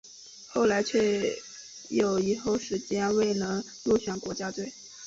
后来却有一后时间未能入选国家队。